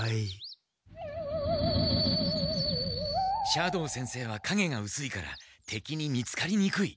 斜堂先生はかげが薄いから敵に見つかりにくい。